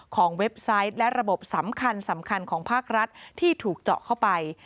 เว็บไซต์และระบบสำคัญสำคัญของภาครัฐที่ถูกเจาะเข้าไป